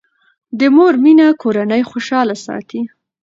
د مور مینه کورنۍ خوشاله ساتي.